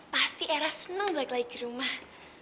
pasti ero senang balik lagi ke rumah